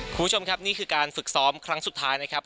คุณผู้ชมครับนี่คือการฝึกซ้อมครั้งสุดท้ายนะครับ